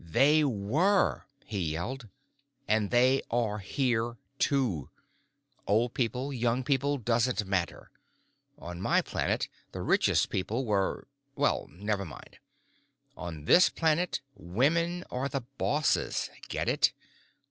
"They were!" he yelled. "And they are here, too. Old people, young people, doesn't matter. On my planet, the richest people were—well, never mind. On this planet, women are the bosses. Get it?